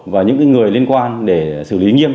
và những người liên quan để xử lý nghiêm